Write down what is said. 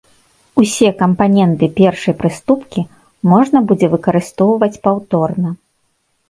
Усе кампаненты першай прыступкі можна будзе выкарыстоўваць паўторна.